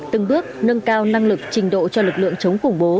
từng bước nâng cao năng lực trình độ cho lực lượng chống khủng bố